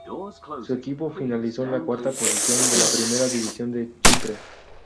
Su equipo finalizó en la cuarta posición de la Primera División de Chipre.